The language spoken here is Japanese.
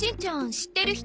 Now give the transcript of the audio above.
知ってる人？